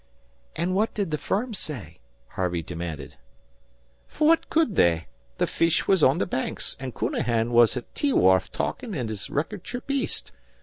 "And what did the firm say?" Harvey demanded. "Fwhat could they? The fish was on the Banks, an' Counahan was at T wharf talkin' av his record trip east!